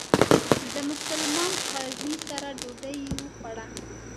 د مسلمان قاضي سره ډوډۍ وخوړه.